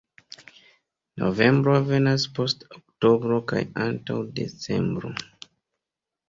Novembro venas post oktobro kaj antaŭ decembro.